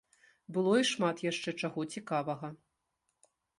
Было і шмат яшчэ чаго цікавага.